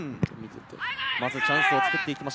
まずチャンスを作ってきました